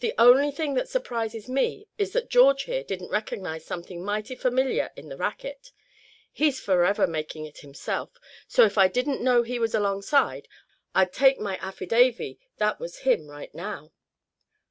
The only thing that surprises me is that George here didn't recognize something mighty familiar in the racket. He's forever making it himself, so if I didn't know he was alongside, I'd take my affidavy that was him right now."